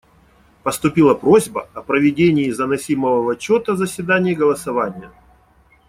Поступила просьба о проведении заносимого в отчет о заседании голосования.